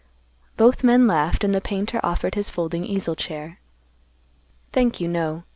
Both men laughed, and the painter offered his folding easel chair. "Thank you, no.